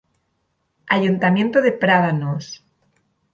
Ayuntamiento de Prádanos.